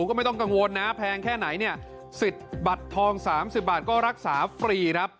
คุณก็ไม่ต้องกังวลนะแพงแค่ไหนสิทธิ์บัตรทอง๓๐บาทก็รักษาฟรี